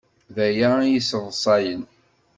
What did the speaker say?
D aya ay yesseḍsayen.